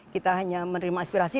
kita hanya menerima aspirasi